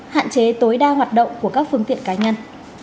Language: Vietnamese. hạn chế tối đa hoạt động của các phương tiện cá nhân